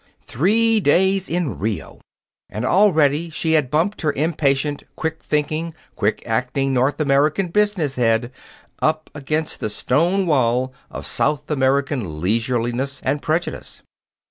Three days in Rio! And already she had bumped her impatient, quick thinking, quick acting North American business head up against the stone wall of South American leisureliness and prejudice.